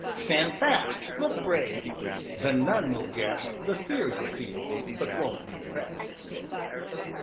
Stand fast! Look brave! Then none will guess The fear you feel, but won't confess.